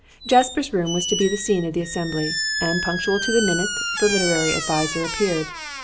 Jasper's room was to be the scene of the assembly, and punctual to the minute the literary adviser appeared.